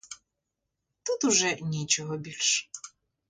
Тут уже нічого більш.